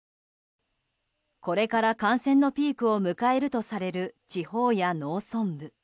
これから感染のピークを迎えるとされる地方や農村部。